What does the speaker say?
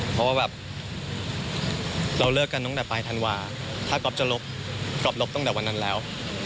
เพราะว่าแบบเราเลิกกันตั้งแต่ปลายธันวาถ้าก๊อฟจะลบก๊อฟลบตั้งแต่วันนั้นแล้ว